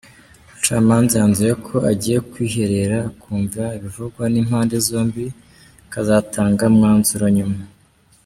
Umucamanza yanzuye ko agiye kwiherera akumva ibivugwa n’impande zombi akazatanga umwanzuro nyuma.